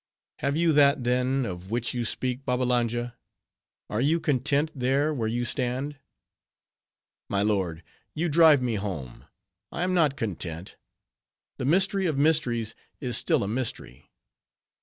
"Have you that, then, of which you speak, Babbalanja? Are you content, there where you stand?" "My lord, you drive me home. I am not content. The mystery of mysteries is still a mystery.